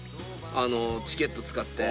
チケット使って。